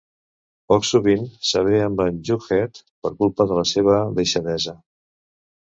Poc sovint s'avé amb en Jughead, per culpa de la seva deixadesa.